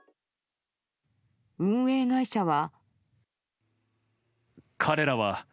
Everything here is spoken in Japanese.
運営会社は。